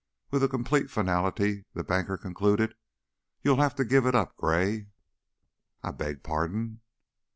With a complete finality the banker concluded, "You'll have to give it up, Gray." "I beg pardon?"